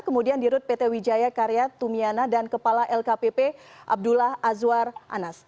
kemudian dirut pt wijaya karya tumiana dan kepala lkpp abdullah azwar anas